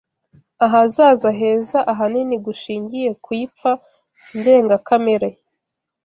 ahazaza heza ahanini gushingiye ku ipfa ndengakamere